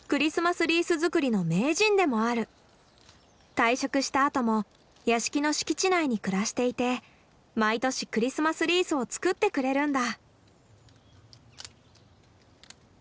退職したあとも屋敷の敷地内に暮らしていて毎年クリスマスリースを作ってくれるんだ。